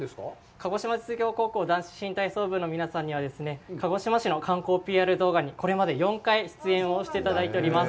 鹿児島実業高校男子新体操部の皆さんには、鹿児島市の観光ＰＲ動画にこれまで、４回、出演をしていただいております。